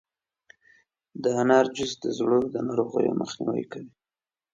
د انار جوس د زړه د ناروغیو مخنیوی کوي.